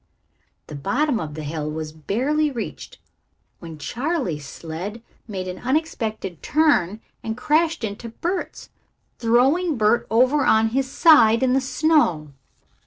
The bottom of the hill was barely reached when Charley's sled made an unexpected turn and crashed into Bert's, throwing Bert over on his side in the snow.